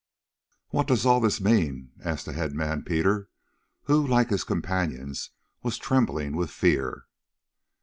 "What does all this mean?" asked the headman Peter, who, like his companions, was trembling with fear.